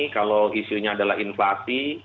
kalau isunya adalah inflasi